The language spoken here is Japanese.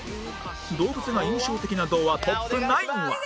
動物が印象的な童話トップ９は